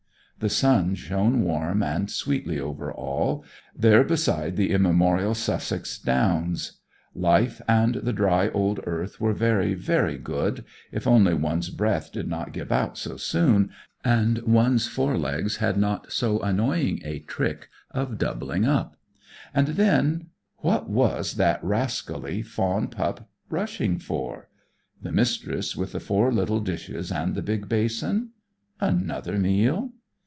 The sun shone warm and sweetly over all, there beside the immemorial Sussex Downs; life and the dry old earth were very, very good if only one's breath did not give out so soon, and one's fore legs had not so annoying a trick of doubling up; and then What was that rascally fawn pup rushing for? The Mistress, with the four little dishes and the big basin? Another meal?